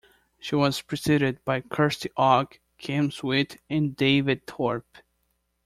She was preceded by Kirsty Ogg, Kim Sweet and David Thorp.